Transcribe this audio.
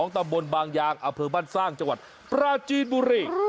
ตำบลบางยางอเภอบ้านสร้างจังหวัดปราจีนบุรี